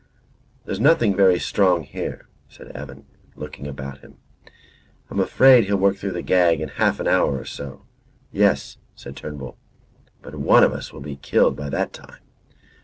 "There's nothing very strong here," said Evan, looking about him. "I'm afraid he'll work through that gag in half an hour or so." "Yes," said Turnbull, "but one of us will be killed by that time."